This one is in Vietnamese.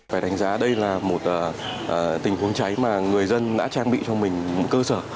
phải đánh giá đây là một tình huống cháy mà người dân đã trang bị cho mình một cơ sở